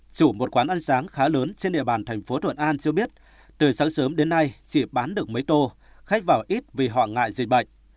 chủ một quán ăn sáng khá lớn trên địa bàn thành phố thuận an cho biết từ sáng sớm đến nay chỉ bán được mấy tô khách vào ít vì họ ngại dịch bệnh